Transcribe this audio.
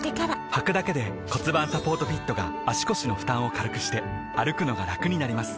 はくだけで骨盤サポートフィットが腰の負担を軽くして歩くのがラクになります